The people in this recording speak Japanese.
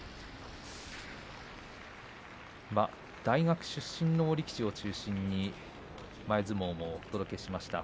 大学出身の力士を中心に前相撲もお届けしました。